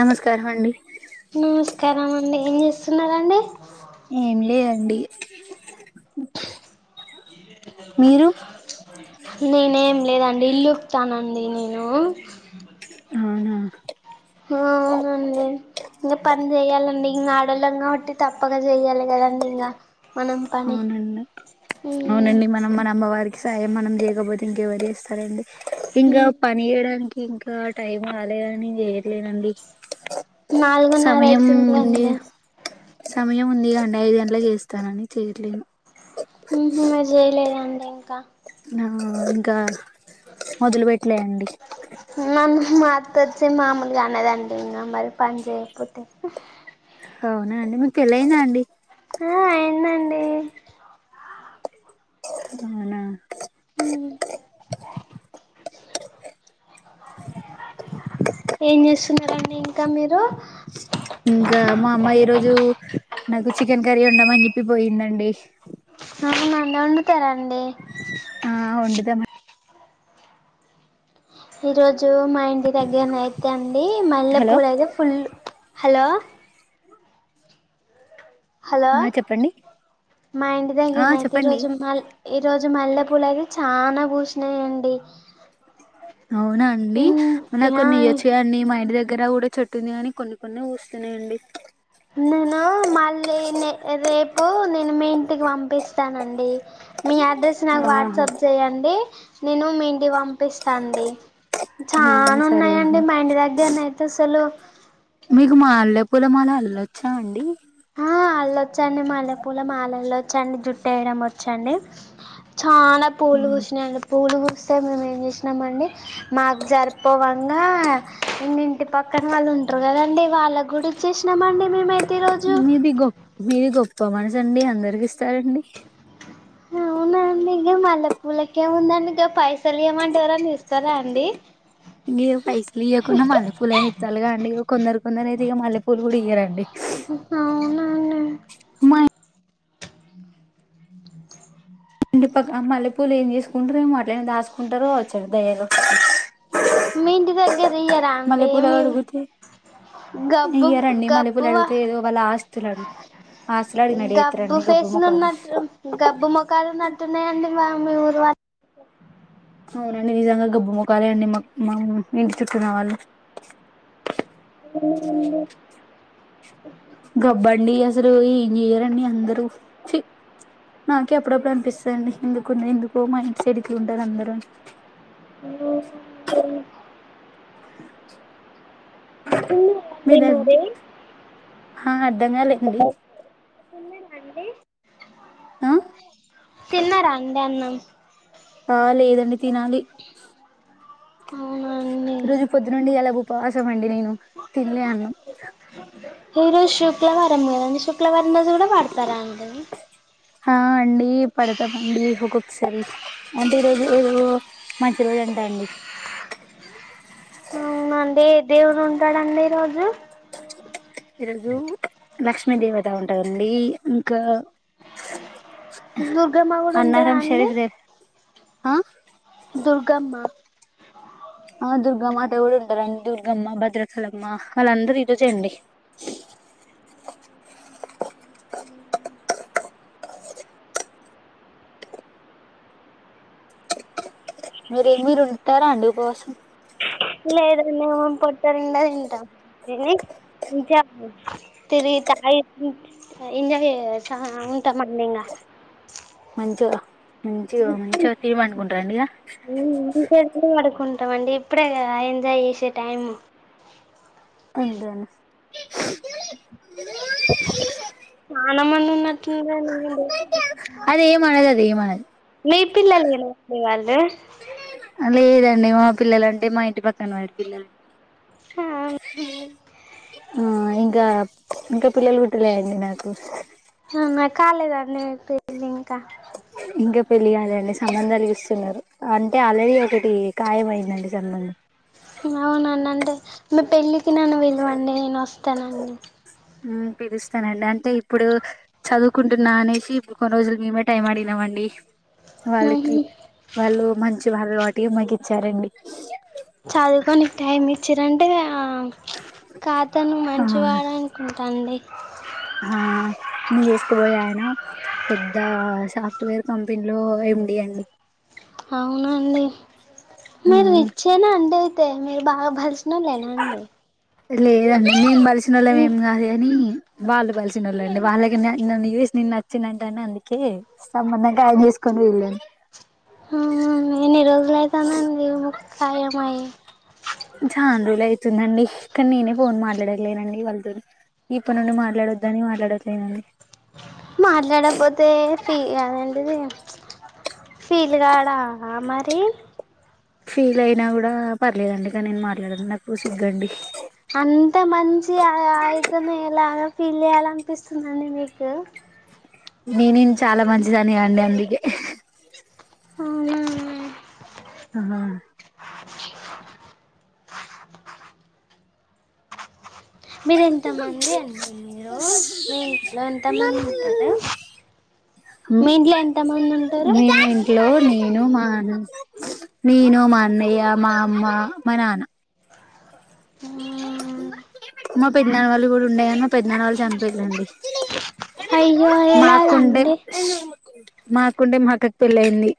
నమస్కారం అండి నమస్కారం అండి ఏం చేస్తున్నరండి? ఏం లేదండి మీరు నేనేం లేదండి ఇల్లుక్తానండి నేను అవునా ఆ అవునండి ఇంగ పని చేయాలండి ఇంగ ఆడళ్ళం కాబట్టి తప్పగ చెయ్యాలి కదండి ఇంగ మనం పని అవునండి అవునండి మనం మన అమ్మవారికి సాయం మనం చేయగపోతే ఇంకెవరు చేస్తారండి ఇంగ ప వీయడానికి ఇంకా టైం రాలేదని చేయలేదండి నాలుగున్నర సమయం అయితుంది ఉంది అండి సమయం ఉంది గ అండి ఐదు గంటలకు చేస్తానని చెయట్లేను ఉహు మీరు చేయలేదండి ఇంకా ఆ ఇంకా మొదలు పెట్టలే అండి మ మాత్త వచ్చి మామూలుగా అనదండి ఇంగ మరి పని చేయకపోతే అవునా అండి మీకు పెళ్లయిందా అండి ఆ అయిందండి అవునా ఉమ్ ఏం చేస్తున్నారండి ఇంకా మీరు ఇంకా మా అమ్మ ఈ రోజు నాకు చికెన్ కర్రీ వండమని చెప్పి పోయిందండి. అవునాండి వండుతార అండి ఆ వండుత మండి ఈ రోజు మా ఇంటి దగ్గరన అయితే అండి మల్లె హలో పూలయితే ఫుల్ హలో హలో ఆ చెప్పండి మా ఇంటి దగ్గర ఆ నైతే ఈ చెప్పండి రోజు మాల్ ఈ రోజు మల్లె పూలయితే చానా బూసినాయండి అవున అండి ఇన్ నాకు ఆ కొన్ని ఇయోచ్చు కదాండి మా ఇంటి దగ్గర కూడా చెట్టు ఉంది కాని కొన్ని కొన్ని పూస్తున్నయండి నేను మళ్ళీ నే రేపు నేను మీ ఇంటికి పంపిస్తానండి మీ అడ్రస్ నాకు ఆహా వాట్సప్ చేయండి నేను మీంటికి పంపిస్తాండి ఆ చాన సరే ఉన్నాయండి అండి మా ఇంటి దగ్గరన అయితే అసలు మీకు మాల్లె పూలమాల అల్లొచ్చాండి ఆ ఆళ్ళొచ్చండి మల్లె పూల మాలల్లచ్చండి జుట్టు ఏయడం వచ్చండి చాన పూలు ఉమ్. పూసినయండి పూలుపూస్తే మేము ఏం చేసినామండి మాకు జరిపోవంగా ఇ ఇంటి పక్కన వాళ్ళు ఉంటారు కదండి వాళ్ళ కూడా చేసినమండి మేమయి మీది గొ మీది గొప్ప మనసండి అందరికి ఇస్తారండి అవునాండి ఇగ మల్లె పూలకేముందండి గ పైసలు ఇయమంటే ఎవరన్న ఇస్తార అండి గి ఆ పైసలు ఇయ్యకుండా మల్లెపూలు అయినా ఇత్తలుగా అండి కొందరు కొందరు అయితే ఇక మల్లె పూలు కూడా ఇయ్యరండి అవునాండి మా ఇం ఇంటి పక్కన మల్లె పూలు ఏం చేసుకుంటరేమో అట్లనే దాసుకుంటారో గ వచ్చు దయ్య మి ఇంటి దగ్గర ఇయరాండి మల్లెపూల ఏమీ అడుగుతే గబ్బు ఇయ్యరండి మల్లెపూలు గబ్బువా అడిగితే ఏదో వాళ్ళ ఆస్తులు అడు ఆస్తులు అడిగినట్టు గబ్బు చేత్తరండి మొఖాలు ఫేసులున్నట్లు గబ్బు ముఖాలు ఉన్నట్టున్నాయండి బా మీ ఊరు వా అవునండి నిజంగా గబ్బు ముఖాలే అండి మక్ మా ఇంటి చుట్టన్నవాళ్ళు [inaudible] గబ్బండి అసలు ఏం ఇయరండి అందరు నాకె అప్పుడప్పుడు అనిపిస్తదండి ఎందుకు ఎందుకో మా ఇంటి సైడు ఇట్లా ఉంటరు అందరు అని మీ ఉన్నాయండి దగ్గ మరి హా అర్ధంగాలేండి తిన్నారా అండి ఆ తిన్నారా అండి అన్నం ఆ లేదండి తినాలి అవునా ఈ రోజు పొద్దు నుండి ఎలాగ ఉపవాసం అండి నేను తినలే అన్నం ఈ రోజు శుక్లవారం కదండి శుక్లవారం రోజు కూడా పడతారా అండి ఆ అండి పడ్తామండి ఒకొక్కసారి అంటే ఈ రోజు మంచి రోజు అంట అండి అవునండి దేవుడు ఉంటాడండి ఈ రోజు ఈరోజు లక్ష్మీ దేవత ఉంటందండి ఇంకా దుర్గమ్మ కూడా ఉంటందా అన్నారం అండి షరీఫ్ దే ఆ దుర్గమ్మ ఆ దుర్గమ్మ మాతా కూడా ఉంటారండి దుర్గమ్మ భద్రచలమ్మ వాళ్ళందరరు ఈరోజే అండి మీరే మీర ఉంటారా అండి ఉపవాసం లేదండి మేము పొట్టానిండా తింటాం ఎల్లి [unintelligible] తిరిగి తాగి ఎంజయ్ చేసా ఉంటా మండి ఇంగా మంచిగా మంచిగా మంచిగా తిని పనుకుంటార అండి ఇక [unintelligible] పడుకుంటాం అండి ఇప్పుడే గద ఎంజాయ్ చేసే టైం కుందను ఆనామంద్ ఉన్నట్రన్ వీళ్ళు అదేం అనదాది ఏం అనద్ మీ పిల్లల్ వాళ్ళు లేదండి మా పిల్లలంటే మా ఇంటి పక్కన వాడి పిల్ల ఆ ఇంగాప్ ఇంకా పిల్లలు పుట్టలేయండి నాకు అవునా కాలేదండి మీక్ పెళ్లి ఇంకా ఇంకా పెళ్లి కాలేండి సంబంధాలు చూస్తున్నారు అంటే ఆల్రెడీ ఒకటి ఖాయం అయిందండి సంబంధం హ్ అవునా నండె మీ పెళ్ళికి నన్ను విలువండి నేను ఒస్తానండి ఉమ్ పిలుస్తానండి అంటే ఇప్పుడు చదువుకుంటున్నా అనేశి ఇప్పుడు కొన్ని రోజులు మేమే టైం అడిగినమండి వాళ్ళకి వాళ్ళు మంచి వాళ్ళు వాట్టి మగి చ్చారండి చదువుకోనిక్ టైం ఇచ్చిరంటే ఇగా కాతను ఆ మంచి వాడాన్ ఉంటా అండి అహా నేను జేసుకోబో ఆయనా పెద్ద సాఫ్ట్వేర్ కంపెనీలో ఎండి అండి అవునండి మీరు మ్మ్ రిచ్చేనా అండి అయితే మీరు బాగా బల్స్ ల్లోనే నాండి లేదండి మేమ్ బలిసినోళ్ళం ఏం గాదు గనీ వాళ్ళు బలిసినోళ్ళండి వాళ్లకి న నన్ను చూసి నేను నచ్చిందింటేని అందుకే సంబంధం కాయం చేసుకొని వెళ్ళన్ ఆ హ ఎన్ని రోజులు అయితాందండి మీ వు కాయం అయి చాన్ రోజులయితుందండి కన్ నేనే ఫోన్ మాట్లాడతాలేనండి వాళ్ళతోని ఇప్పుడ్ నుండి మాట్లాడొద్దని మాట్లాడట్లేనండి మాట్లాడకపోతే ఫీ అదేంటిది ఫీల్గాడా మరి ఫీల్ అయినా గుడా పర్లేదండి కాన్ నేను మాట్లాడను నాకు సిగ్గండి అంత మంచి అయ్ ఆయితేనే ఎలాగా ఫీల్ చేయ్యాలనిపిస్తుందండి మీకు నేనెం చాలా మంచిదని గ అండి అందుకే అవునా నె అహా మీర్ ఎంతమంది అండి మీరు మీ ఇంట్లో ఎంతమంది ఉంటారు మీ ఇంట్లో ఎంత మంద్ ఉంటారు ట్ లో నేను మా న్ నేను మా అన్నయ్య మా అమ్మ మా నాన ఆ మా పెద్దనాన్న వాళ్ళు కూడా ఉండే గన్ మా పెద్దనాన్నవాళ్ళు చనిపోయి లండి అయ్యో మాకుండే ఎలాగండి మాకుండే మాక్క క్ పెళ్లయింది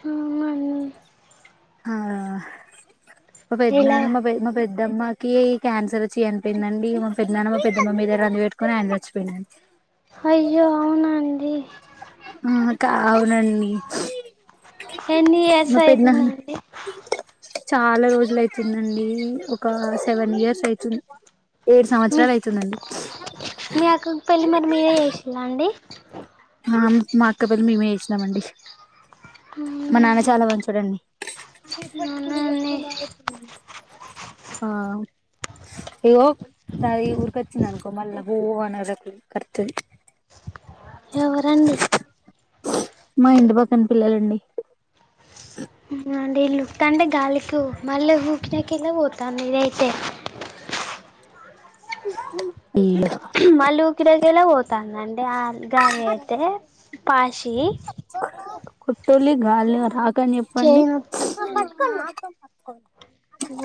హా హా మ ఎలా పెద్దనాన్న మాపే మాప్ పెద్దమ్మకి క్యాన్సర్ ఒచ్చి అనిపోయిందండి మా పెద్దదన్న మా పెద్దమ్మ మీద రంది వెట్టుకుని ఆయన చచ్చిపోయినండ్ హయ్యో అవునా అండి ఉ కా అవునండి ఎన్ని ఇయర్స్ మా పెద్దనాన అయితుందండి చాలా రోజులయితుంద్ అండి ఒక సెవెన్ ఇయర్స్ అయితుంద్ ఏడు మీ సంవత్సరాల్ అయితుందండి మీ అక్కకి పెళ్లి మరి మీరే చేసిల్ల అండి మామ్ మా అక్క పెళ్ళి మేమే చేసినామండి హు మ్ మా నాన్న చాలా మంచోడు అండి అవునా అండి ఆ ఇహో దాయి ఊరుకొచ్చింది అనుకో మళ్ళా పో అనకు కర్తుది ఎవరు అండి మా ఇంటి పక్కన పిల్లలు అండి మ ఇల్లు ఉకుతంటే గాలికి మళ్ళీ ఊకినకేలే పోతంది ఇదైతే అయ్యో మళ్ళీఊకినకేలే పోతందండి ఆ గాలి అయితే పాచి కొట్టలి గాల్ ని రాకని చెప్ పండి చేయి నొత్తుందండి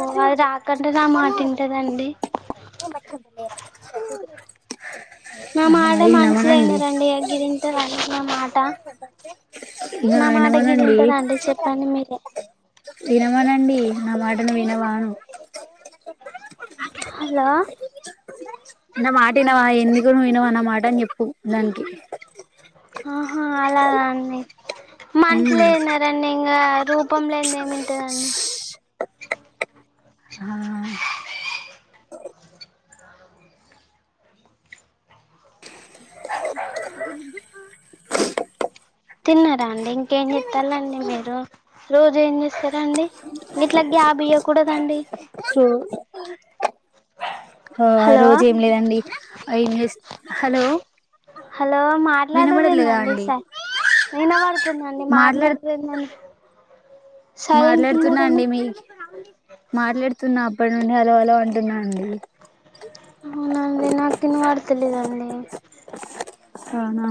ఓ అది రకంటే నా మాట ఇంటదా అండి నేను కట్టుకుంటా లేరా నా మాట మనుషులే వినరండి ఇగ గిది ఈయింటదా అండి నా మాట ఇక నా మాట గిది ఇంటదా అండి చెప్పండి మీరే ఇనమనండి నా మాటను వినవా అను హలో నా మాట వినవా ఎందుకు నువ్ వినవా నా మాట అని చెప్పు దానికి ఆహా అలాగా అండి ఉమ్ మనుషులే ఇనర్ రండి ఇంగ రూపం లేనిది ఏమింటదండి ఆ తిన్నారా అండి ఇంకేం చేత్తలండి మీరు రోజు ఏం చేస్తారండి ఇట్లా గ్యాబ్ ఇయ్యకూడదండి చూ ఆ హలో రోజు ఏం లేదు అండి ఎం చెస్ హలో హలో వినబడట్లేదా మాట్లాడరేందండి అండి స వినబడుతుందండి మాట్లాడు మాట్లాడరేందండి మాట్లాడుతున్నా అండి మీ మాట్లాడుతున్నా అప్పటి నుండి హలో హలో అంటున్నా అండి అవునా అండి నాకు వినబడుతలేదండి అవునా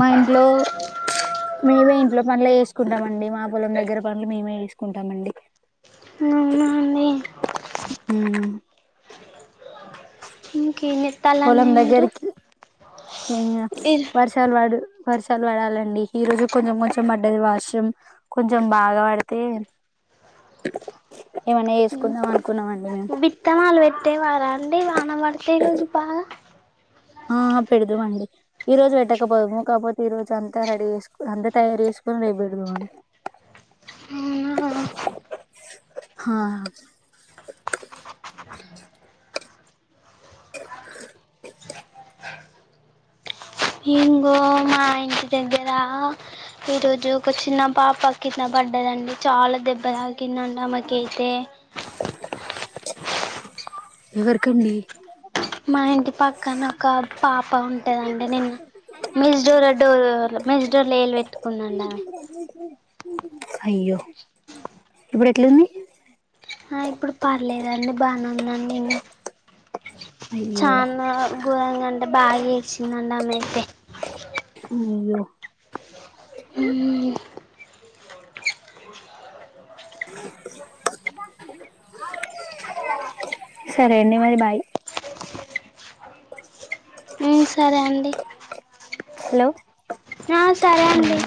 మా ఇంట్లో మేమే ఇంట్లో పనులే వేసుకుంటాం అండి మా పొలం దగ్గర పనులు మేమే చేసుకుంటామండి అవునా అండి మ్ ఇంకేం పొలం చెత్తాలండి మీరు దగ్గరికి ఇంగ ఇర్ వర్ ర్షలువడు వర్షాలు పడాలండి ఈ రోజు కొంచెం కొంచెం పడ్డది వర్షం కొంచెం బాగా పడ్తే ఏమన్నా చేస్కుందామనుకున్నామండి మేం విత్తనాలు వెట్టేవారా అండి వాన వడ్తే ఈ రోజు బాగా ఆ పెడుదుమండి ఈ రోజు పెట్టకపోదుము కాపోతే ఈ రోజంతా రెడీ చేస్కొ అంత తయార్ చేస్కొని రేప్బెడ్దామండి అవునా హా ఇంగో మా ఇంటి దగ్గర ఈ రోజు ఒక చిన్న పాప కింద బడ్డదండి చాల దెబ్బ తాకిందండి ఆమెకైతే ఎవరికండి మా ఇంటి పక్కన ఒకా పాప ఉంటదండి నిన్న మేస్డోర్ డోర డోర్ మెష్ డోర్లో ఏలు పెట్టుకుందండామే హయ్యో ఇపుడెట్లుంది హా ఇప్పుడు పర్లేదండి బానే ఉందండింగ అయ్యో చానా గోరంగంటే బాగా ఏడ్చిందండి ఆమైతే అయ్యో హ్మ్ సరే అండి మరి బాయ్ ఉమ్ సరే అండి హలో ఆ సరే అండి ఉమ్